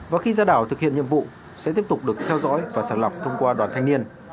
và khi ra đảo thực hiện nhiệm vụ sẽ tiếp tục được theo dõi và sàng lọc thông qua đoàn thanh niên